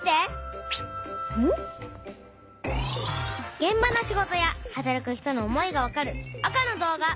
げん場の仕事や働く人の思いがわかる赤の動画。